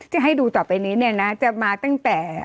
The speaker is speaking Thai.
จะให้ดูต่อไปนี้เนี่ยนะจะมาตั้งแต่